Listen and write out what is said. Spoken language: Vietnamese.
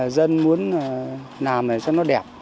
dân muốn làm này cho nó đẹp